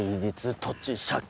土地借金